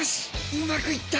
うまくいった！